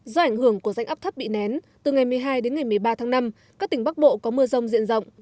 do ảnh hưởng của rãnh áp thấp bị nén từ ngày một mươi hai đến ngày một mươi ba tháng năm các tỉnh bắc bộ có mưa rông diện rộng